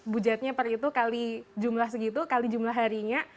bujatnya per itu kali jumlah segitu kali jumlah harinya